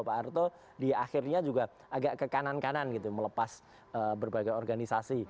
pak arto di akhirnya juga agak ke kanan kanan gitu melepas berbagai organisasi